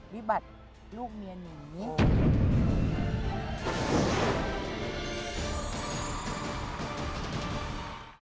วิบัติลูกเมียหนี